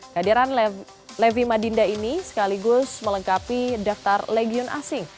hadiran levi madinda ini sekaligus melengkapi daftar legion asing